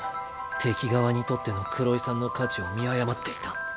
敵側にとっての黒井さんの価値を見誤っていた。